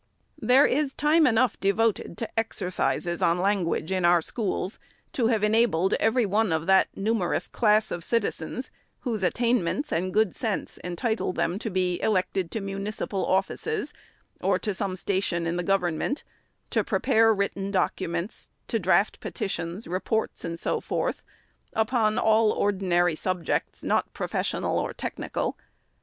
There is time enough devoted to exercises on language in our schools, to have enabled every one of that numer ous class of citizens, whose attainments and good sense entitle them to be elected to municipal offices or to some station in the government, to prepare written documents, to draught petitions, reports and so forth, upon all ordinary subjects, not professional or technical.